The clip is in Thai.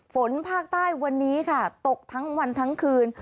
ฝนภาคใต้วันนี้ค่ะตกทั้งวันทั้งคืน